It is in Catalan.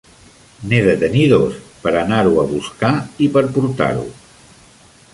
N'he de tenir dos, per anar-ho a buscar i per portar-ho.